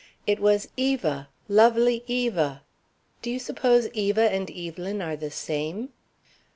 It was 'Eva! Lovely Eva!' Do you suppose Eva and Evelyn are the same?"